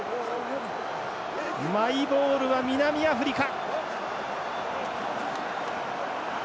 マイボールは南アフリカ。